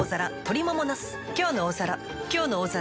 「きょうの大皿」